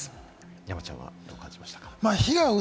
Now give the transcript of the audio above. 山ちゃんはどう感じましたか？